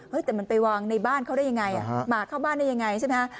แต่มันไปวางในบ้านเขาได้ยังไงหมาเข้าบ้านได้ยังไงใช่ไหมฮะ